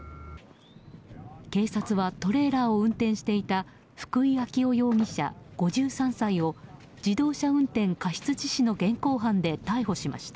警察はトレーラーを運転していた福井暁生容疑者、５３歳を自動車運転過失致死の現行犯で逮捕しました。